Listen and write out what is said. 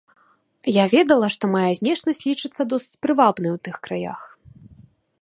Я ведала, што мая знешнасць лічыцца досыць прывабнай у тых краях.